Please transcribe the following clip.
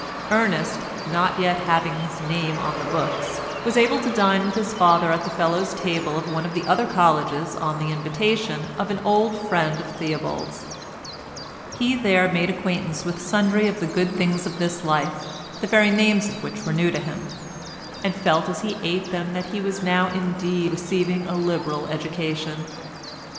Ernest, not yet having his name on the books, was able to dine with his father at the Fellows' table of one of the other colleges on the invitation of an old friend of Theobald's; he there made acquaintance with sundry of the good things of this life, the very names of which were new to him, and felt as he ate them that he was now indeed receiving a liberal education.